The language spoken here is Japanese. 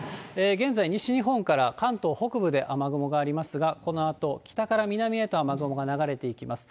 現在、西日本から関東北部で雨雲がありますが、このあと、北から南へと雨雲が流れていきます。